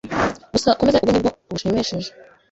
gusa uko meze ubu nibyo binshimishije